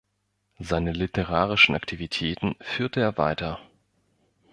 Seine literarischen Aktivitäten führte er weiter.